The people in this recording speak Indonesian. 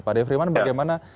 pak ade friman bagaimana